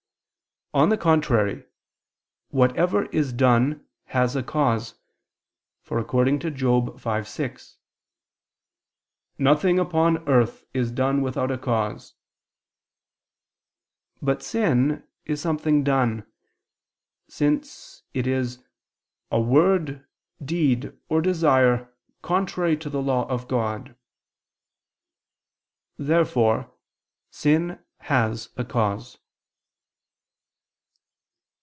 On the contrary, Whatever is done has a cause, for, according to Job 5:6, "nothing upon earth is done without a cause." But sin is something done; since it a "word, deed, or desire contrary to the law of God." Therefore sin has a cause.